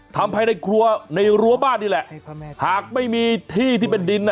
ภายในครัวในรั้วบ้านนี่แหละหากไม่มีที่ที่เป็นดินนะ